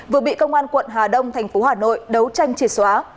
vừa bị công an quận hà đông tp hà nội đấu tranh chìa xóa